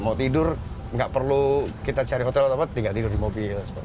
mau tidur nggak perlu kita cari hotel atau apa tinggal tidur di mobil